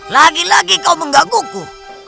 lagi lagi kau mengganggu ku